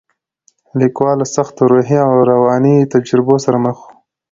لیکوال له سختو روحي او رواني تجربو سره مخ و.